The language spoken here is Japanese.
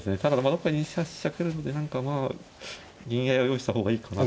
どっかで２八飛車来るんで何かまあ銀合いを用意した方がいいかなっていう。